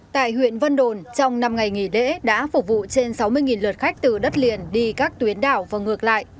tại huyện vân đồn trong năm ngày nghỉ lễ đã phục vụ trên sáu mươi lượt khách từ đất liền đi các tuyến đảo và ngược lại